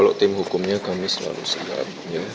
kalau tim hukumnya kami selalu siap